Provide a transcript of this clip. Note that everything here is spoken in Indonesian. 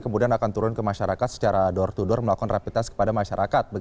kemudian akan turun ke masyarakat secara door to door melakukan rapid test kepada masyarakat